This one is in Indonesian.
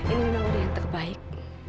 ini memang udah yang terbaik